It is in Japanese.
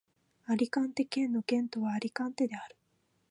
アリカンテ県の県都はアリカンテである